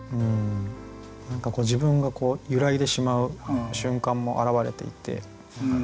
何か自分が揺らいでしまう瞬間も表れていて。